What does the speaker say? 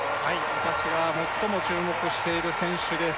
私が最も注目している選手です